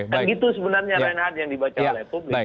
dan itu sebenarnya lain lain yang dibaca oleh publik